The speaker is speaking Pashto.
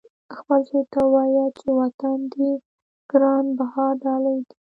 خپل زوی ته ووایه چې وطن دې ګران بها ډالۍ دی.